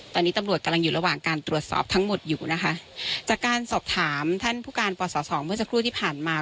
ตอนนี้ตำรวจกำลังอยู่ระหว่างการตรวจสอบทั้งหมดอยู่นะคะจากการสอบถามท่านผู้การปศสองเมื่อสักครู่ที่ผ่านมา